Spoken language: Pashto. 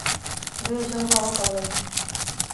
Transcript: ډیر ژر به وکولای شو.